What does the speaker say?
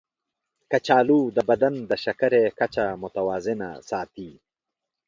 کچالو د بدن د شکرې کچه متوازنه ساتي.